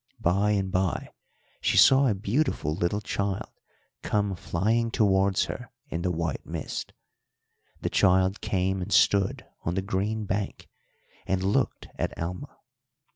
By and by she saw a beautiful little child come flying towards her in the white mist. The child came and stood on the green bank and looked at Alma.